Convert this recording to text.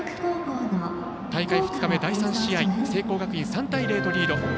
大会２日目、第３試合聖光学院、３対０とリード。